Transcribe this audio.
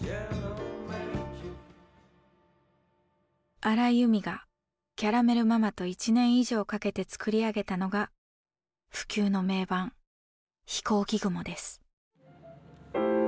荒井由実がキャラメル・ママと１年以上かけて作り上げたのが不朽の名盤「ひこうき雲」です。